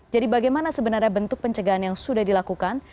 jadi bagaimana sebenarnya bentuk pencegahan yang sudah dilakukan